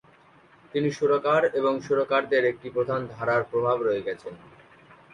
তিনি সুরকার এবং সুরকারদের একটি প্রধান প্রভাব রয়ে গেছেন।